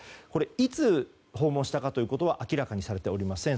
いつ訪問したかということは明らかにされていません。